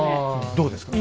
どうですかね？